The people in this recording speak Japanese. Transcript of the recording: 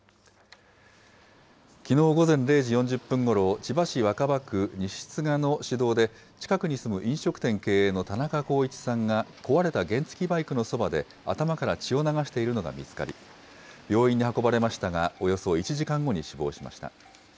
きのう午前０時４０分ごろ、千葉市若葉区西都賀の市道で、近くに住む飲食店経営の田中幸一さんが、壊れた原付きバイクのそばで頭から血を流しているのが見つかり、病院に運ばれましたが、およそ１時間後に死亡しました。